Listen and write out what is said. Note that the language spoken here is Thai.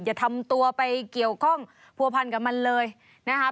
อย่าทำตัวไปเกี่ยวข้องผัวพันกับมันเลยนะครับ